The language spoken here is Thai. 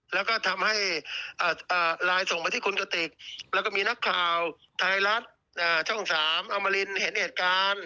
แล้วก็ทำให้ไลน์ส่งมาที่คุณกติกแล้วก็มีนักข่าวไทยรัฐช่อง๓อมรินเห็นเหตุการณ์